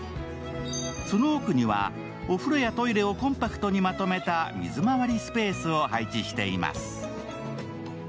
その奥にはお風呂やトイレをコンパクトにまとめた水まわりスペースを配置しています。